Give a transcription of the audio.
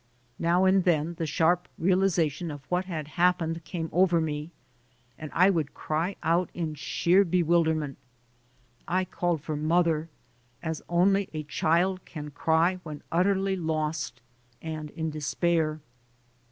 Now and then, the sharp realization of what had hap pened came over me, and I would cry out in sheer bewilderment. I called for "mother" as only a child can cry when utterly lost and in despair.